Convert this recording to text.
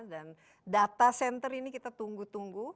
dan data center ini kita tunggu tunggu